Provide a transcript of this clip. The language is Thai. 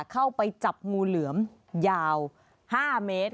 เข้าไปจับงูเหลือมยาว๕เมตร